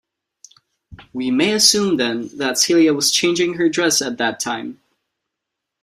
We may assume, then, that Celia was changing her dress at that time.